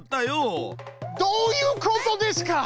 どういうことですか！？